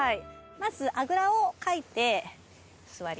まずあぐらをかいて座ります。